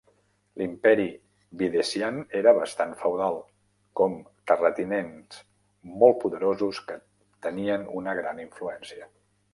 L'imperi Videssian era bastant feudal, com terratinents molt poderosos que tenien una gran influència.